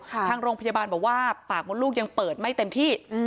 ทางโรงพยาบาลบอกว่าปากมดลูกยังเปิดไม่เต็มที่